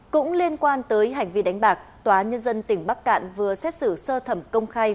cũng liên quan tới hành vi đánh bạc tòa nhân dân tỉnh bắc cạn vừa xét xử sơ thẩm công khai